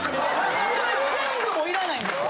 これ全部もう要らないんですよ。